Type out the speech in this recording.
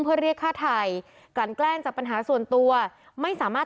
เพื่อเรียกฆ่าไทยกลั่นแกล้งจากปัญหาส่วนตัวไม่สามารถ